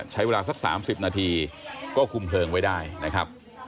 ใช้เวลาสัก๓๐นาทีก็คุมเพลิงไว้ได้นะครับ